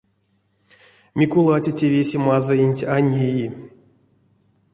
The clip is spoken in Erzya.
Микул атя те весе мазыенть а неи.